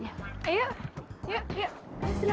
mau di ajak pak tristan